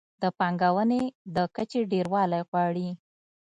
د پانګونې د کچې ډېروالی غواړي.